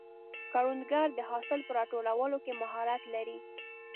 کروندګر د حاصل په راټولولو کې مهارت لري